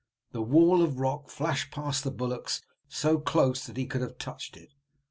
The wall of rock flashed past the bulwarks so closely that he could have touched it.